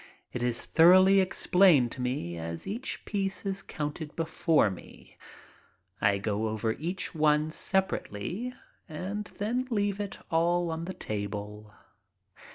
It is thoroughly explained to me as each piece is counted before me. I go over each one sepa rately and then leave it all on the table.